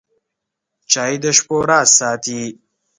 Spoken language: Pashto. چای د شپو راز ساتي.